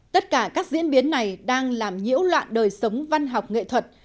tất cả các diễn biến này đang làm nhiễu loạn đời sống văn học nghệ thuật